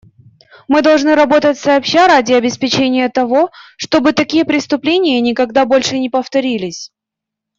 Мы должны работать сообща ради обеспечения того, чтобы такие преступления никогда больше не повторились.